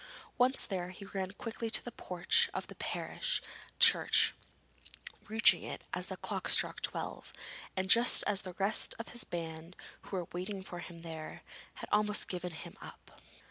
Once there he ran quickly to the porch of the parish church, reaching it as the clock struck twelve, and just as the rest of the band, who were waiting for him there, had almost given him up.